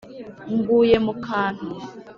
nguye mu kantu